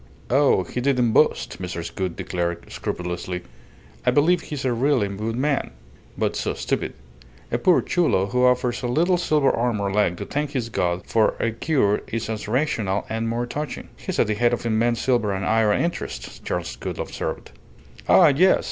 "Oh, he didn't boast," Mrs. Gould declared, scrupulously. "I believe he's really a good man, but so stupid! A poor Chulo who offers a little silver arm or leg to thank his god for a cure is as rational and more touching." "He's at the head of immense silver and iron interests," Charles Gould observed. "Ah, yes!